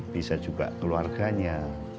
bisa juga keluarganya